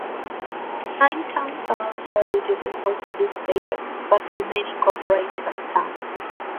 Nine towns are also eligible for city status but remain incorporated as towns.